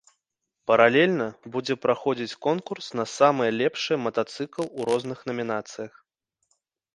Паралельна будзе праходзіць конкурс на самыя лепшыя матацыкл у розных намінацыях.